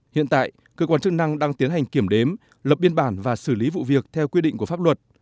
hiện tại cơ quan chức năng đang tiến hành kiểm đếm lập biên bản và xử lý vụ việc theo quy định của pháp luật